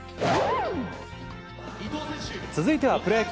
続いてはプロ野球。